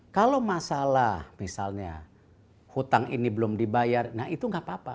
kalau masalah misalnya hutang ini belum dibayar nah itu nggak apa apa